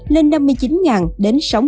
lên năm mươi chín đồng đến sáu mươi đồng một kg